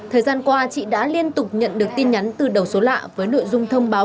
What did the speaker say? thời gian qua chị đã liên tục nhận được tin nhắn từ đầu số lạ với nội dung thông báo